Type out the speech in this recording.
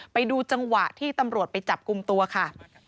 ไปดูจังหวะที่ตำรวจไปจับกลุ่มตัวค่ะ